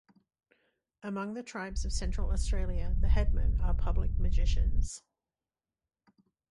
Among the tribes of Central Australia, the headmen are public magicians.